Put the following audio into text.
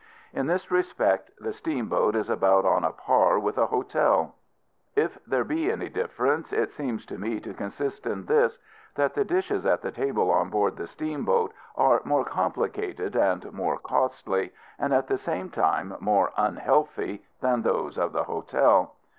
In this respect, the steamboat is about on a par with the hotel. If there be any difference, it seems to me to consist in this: that the dishes at the table on board the steamboat are more complicated and more costly, and at the same time more unhealthy, than those of the hotel.